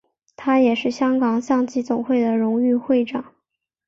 他也是香港象棋总会的荣誉会长。